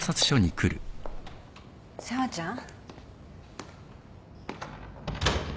紗和ちゃん。